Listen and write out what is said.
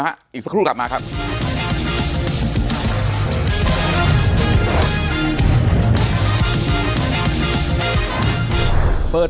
ปากกับภาคภูมิ